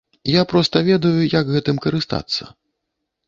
Я проста ведаю, як гэтым карыстацца.